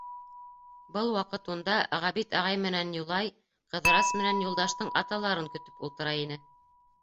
Был ваҡыт унда Ғәбит ағай менән Юлай Ҡыҙырас менән Юлдаштың аталарын көтөп ултыра ине.